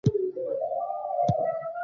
او شرایط ټاکل، د پور ترلاسه کول،